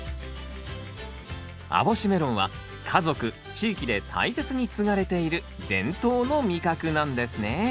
網干メロンは家族地域で大切に継がれている伝統の味覚なんですね。